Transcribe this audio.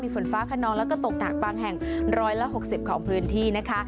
ฝนฟ้าขนองแล้วก็ตกหนักบางแห่ง๑๖๐ของพื้นที่นะคะ